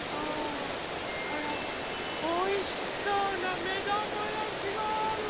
あらおいしそうなめだまやきがある。